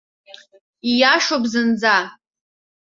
Ииашоуп зынӡа.